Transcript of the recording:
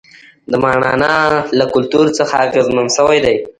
د ماڼانا له کلتور څخه اغېزمن شوي دي.